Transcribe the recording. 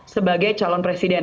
sebagai calon presiden